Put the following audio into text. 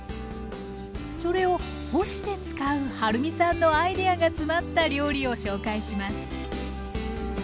それを干して使うはるみさんのアイデアが詰まった料理を紹介します。